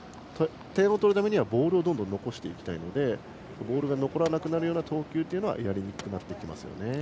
点を取るためにはボールを残していきたいのでボールが残らなくなるような投球というのはやりにくくなってきますね。